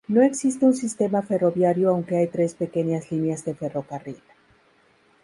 No existe un sistema ferroviario, aunque hay tres pequeñas líneas de ferrocarril.